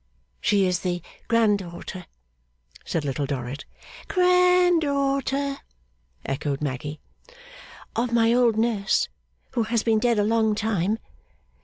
'She is the grand daughter ' said Little Dorrit. 'Grand daughter,' echoed Maggy. 'Of my old nurse, who has been dead a long time.